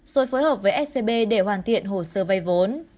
rồi phối hợp với scb để hoàn thiện hồ sơ vay vốn